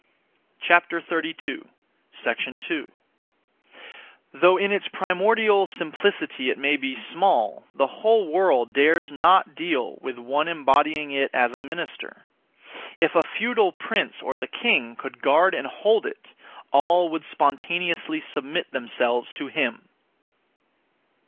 2. Though in its primordial simplicity it may be small, the whole world dares not deal with (one embodying) it as a minister. If a feudal prince or the king could guard and hold it, all would spontaneously submit themselves to him.